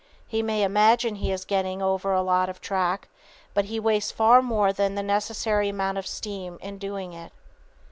He may imagine he is getting over a lot of track, but he wastes far more than the necessary amount of steam in doing it.